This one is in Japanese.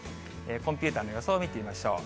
コンピューターの予想見てみましょう。